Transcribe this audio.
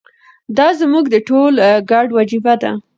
دا زموږ د ټولو ګډه وجیبه ده.